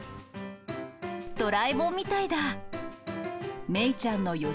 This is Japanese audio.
ドラえもんみたいだ。